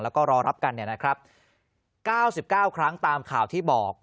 แล้วก็รอรับกัน๙๙ครั้งตามข่าวที่บอก